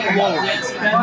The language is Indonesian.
baik bagaimana anda membuatnya